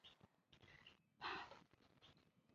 法韦罗莱。